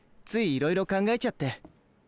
ついいろいろ考えちゃって。